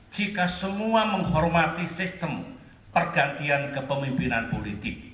jika semua menghormati sistem pergantian kepemimpinan politik